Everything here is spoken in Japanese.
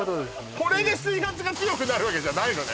これで水圧が強くなるわけじゃないのね？